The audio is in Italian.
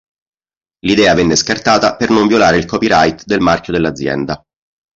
L'idea venne scartata per non violare il copyright del marchio dell'azienda.